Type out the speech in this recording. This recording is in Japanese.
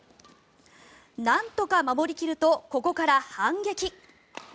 なんとか守り切るとここから反撃。